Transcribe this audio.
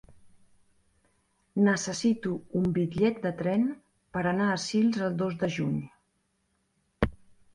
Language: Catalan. Necessito un bitllet de tren per anar a Sils el dos de juny.